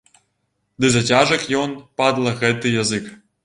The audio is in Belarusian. Ды зацяжак ён, падла, гэты язык.